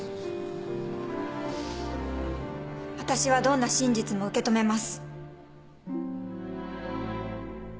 私はどんな真実も受け止めます。